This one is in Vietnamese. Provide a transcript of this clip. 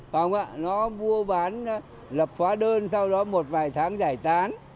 phải không ạ nó mua bán lập khóa đơn sau đó một vài tháng giải tán